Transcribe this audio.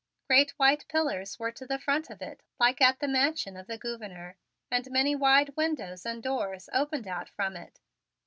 Great white pillars were to the front of it like at the Mansion of the Gouverneur, and many wide windows and doors opened out from it.